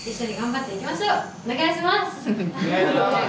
お願いします！